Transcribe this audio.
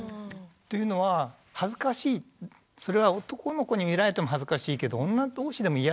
というのは恥ずかしいそれは男の子に見られても恥ずかしいけど女同士でも嫌だよね。